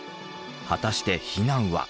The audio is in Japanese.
果たして避難は。